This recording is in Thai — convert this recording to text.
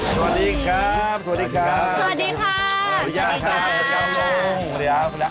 สวัสดีครับสวัสดีครับสวัสดีครับสวัสดีครับสวัสดีครับ